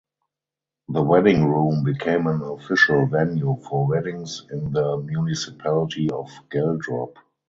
The wedding room became an official venue for weddings in the municipality of Geldrop.